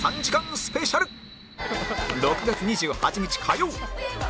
６月２８日火曜